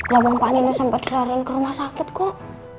lama pak nino sampai dilarangin ke rumah sakit kok